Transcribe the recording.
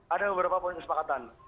ada beberapa poin kesepakatan